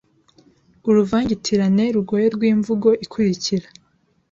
uruvangitirane rugoye rwimvugo ikurikira